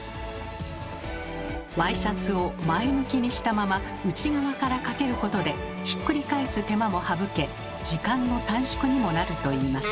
ワイシャツを前向きにしたまま内側からかけることでひっくり返す手間も省け時間の短縮にもなるといいます。